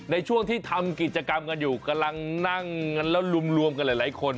ในช่วงที่ทำกิจกรรมกันอยู่กำลังนั่งกันแล้วรวมกันหลายคน